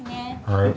はい。